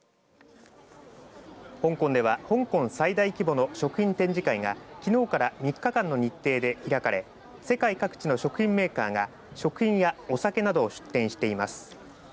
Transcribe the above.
香港では香港最大規模の食品展示会がきのうから３日間の日程で開かれ世界各地の食品メーカーが食品やお酒などを出展しています。